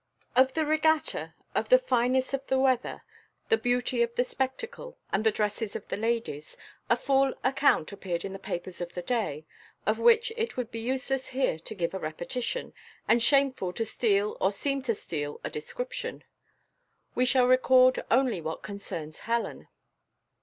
Of the regatta, of the fineness of the weather, the beauty of the spectacle, and the dresses of the ladies, a full account appeared in the papers of the day, of which it would be useless here to give a repetition, and shameful to steal or seem to steal a description. We shall record only what concerns Helen.